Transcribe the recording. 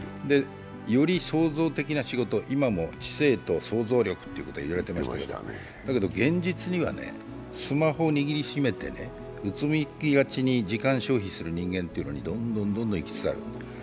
より創造的な仕事、今も知性と想像力ということが言われてましたけどだけど現実にはスマホを握り締めて、うつむきがちに時間消費する人間っていうのにどんどん、いきつつある。